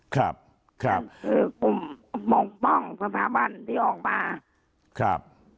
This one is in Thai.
ครับครับคือกลุ่มป้องภาพภาพบ้านที่ออกมาครับ